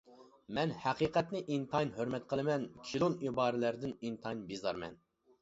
مەن ھەقىقەتنى ئىنتايىن ھۆرمەت قىلىمەن، كىلون ئىبارىلەردىن ئىنتايىن بىزارمەن.